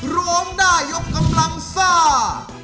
ร้องได้ยกกำลังซ่า